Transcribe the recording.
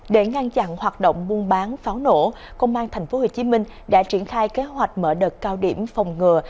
để ngăn chặn hoạt động buôn bán pháo nổ công an tp hcm đã triển khai kế hoạch mở đợt cao điểm phòng ngừa